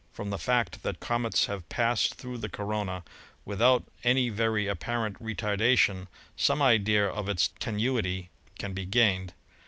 From the fact that comets have passed through the corona without any very apparent retardation, some idea of its tenuity may be gained.